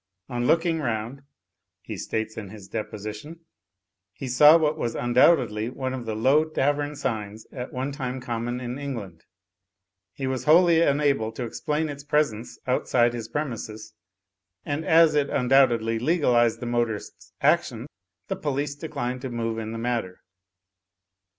On looking round (he states in his deposition) he 'saw what was undoubtedly one of the low tavern signs at one time common in England.* He was wholly unable to explain its presence outside his premises, and as it undoubt edly legalised the motorist's action, the police declined to move in the matter.